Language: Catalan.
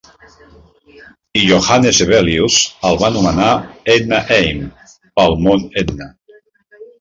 I Johannes Hevelius el va anomenar "Etna M." pel mont Etna.